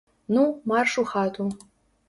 Ну, марш у хату.